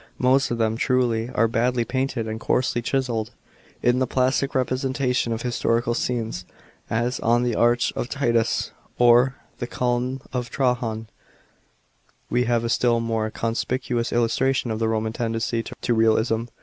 Most of them, truly, are badly painted and coarsely chiselled." In the plasnc representation of historical scenes — as on the Arch of Titus or the Column of Trajan — we have a still more conspicuous illustration of the Roman tendency to realism.